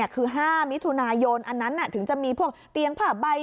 คือ๕มิถุนายนอันนั้นถึงจะมีพวกเตียงผ้าใบ